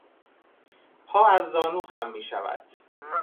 پا از زانو خم میشود.